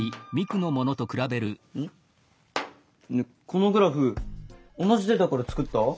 このグラフ同じデータから作った？